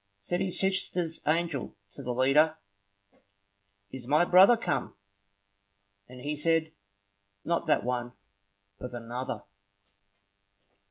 Said his sister's angel to the leader,— "Is my brother come?" And he said, "Not that one, but another."